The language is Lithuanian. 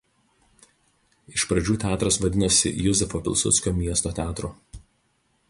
Iš pradžių teatras vadinosi "Juzefo Pilsudskio miesto teatru".